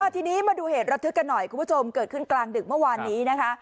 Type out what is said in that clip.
ทีนี้มาดูเหตุระทึกกันหน่อยคุณผู้ชมเกิดขึ้นกลางดึกเมื่อวานนี้นะคะ